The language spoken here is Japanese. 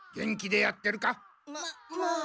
ままあ。